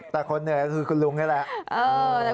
แต่คนเหนื่อยก็คือคุณลุงนี่แหละ